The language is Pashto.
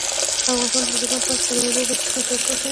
افغانستان د بزګان په برخه کې نړیوالو بنسټونو سره کار کوي.